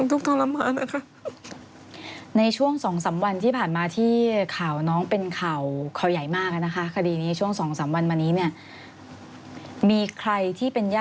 ที่จะต้องกุศลชะที